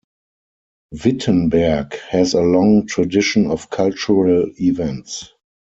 Wittenberg has a long tradition of cultural events.